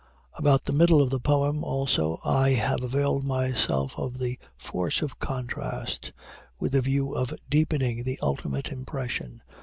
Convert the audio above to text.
About the middle of the poem, also, I have availed myself of the force of contrast, with a view of deepening the ultimate impression.